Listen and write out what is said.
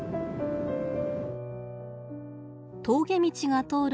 峠道が通る